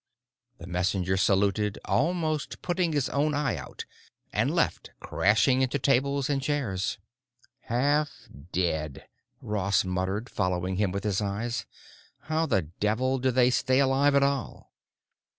The messenger saluted, almost putting his own eye out, and left, crashing into tables and chairs. "Half dead," Ross muttered, following him with his eyes. "How the devil do they stay alive at all?"